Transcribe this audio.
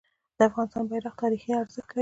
د افغانستان بیرغ تاریخي ارزښت لري.